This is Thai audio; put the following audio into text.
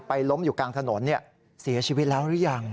ล้มอยู่กลางถนนเสียชีวิตแล้วหรือยัง